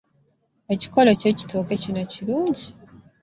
Ekikolo ky'ekitooke kino kirungi.